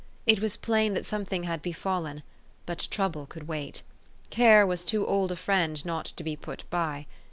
It was plain that something had be fallen. But trouble could wait. Care was too old a friend not to be put by.